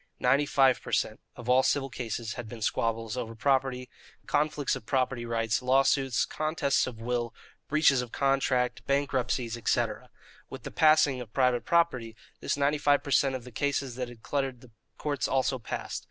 Ninety five per cent. of all civil cases had been squabbles over property, conflicts of property rights, lawsuits, contests of wills, breaches of contract, bankruptcies, etc. With the passing of private property, this ninety five per cent. of the cases that cluttered the courts also passed.